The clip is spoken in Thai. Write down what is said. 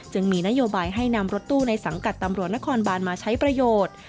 มีนโยบายให้นำรถตู้ในสังกัดตำรวจนครบานมาใช้ประโยชน์